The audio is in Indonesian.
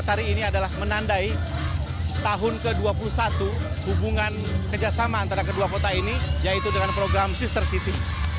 tari ini adalah menandai tahun ke dua puluh satu hubungan kerjasama antara kedua kota ini yaitu dengan program sister city